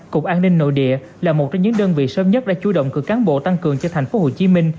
cục an ninh nội địa là một trong những đơn vị sớm nhất đã chú động cử cán bộ tăng cường cho tp hcm